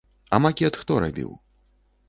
А макет хто рабіў?